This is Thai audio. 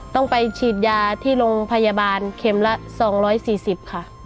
ต้องไปฉีดยาที่โรงพยาบาลเข็มละ๒๔๐ค่ะ